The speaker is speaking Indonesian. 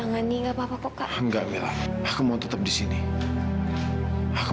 nggak apa apa kok tante